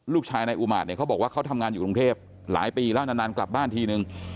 ลูกชายนายอุมาตเนี่ยเขาบอกว่าเขาทำงานอยู่กรุงเทพหลายปีแล้วนานกลับบ้านทีนึง